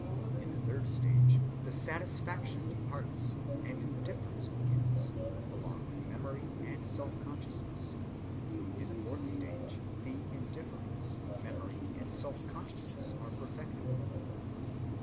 In the third stage the satisfaction departs, and indifference begins, along with memory and self‐consciousness. In the fourth stage the indifference, memory, and self‐consciousness are perfected.